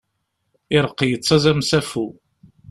Ireqq yettaẓ am usafu.